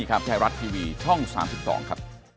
การขยายผลเยอะครับ